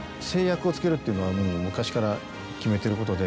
っていうのはもう昔から決めてることで。